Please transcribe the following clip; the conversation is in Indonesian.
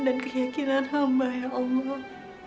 dan keyakinan hamba ya allah